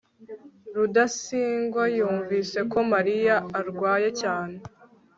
rudasingwa yumvise ko mariya arwaye cyane